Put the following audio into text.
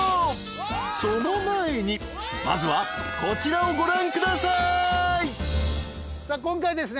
［その前にまずはこちらをご覧ください］さあ今回ですね